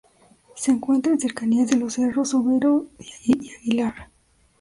Se encuentra en cercanías de los cerros Overo y Aguilar.